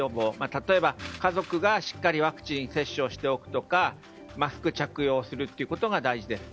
例えば、家族がしっかりワクチン接種をしておくとかマスク着用することが大事です。